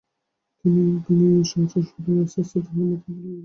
তিনি বিনয়ের কাছে সরিয়া বসিয়া আস্তে আস্তে তাহার মাথায় হাত বুলাইয়া দিতে লাগিলেন।